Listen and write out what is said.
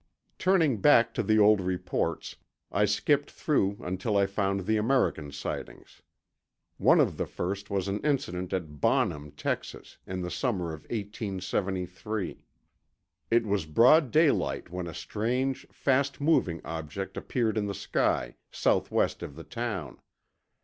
Turning back to the old reports, I skipped through until I found the American sightings. One of the first was an incident at Bonham, Texas, in the summer of 1873. It was broad daylight when a strange, fast moving object appeared in the sky, southwest of the town.